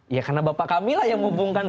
ya karena bapak kami lah yang hubungkan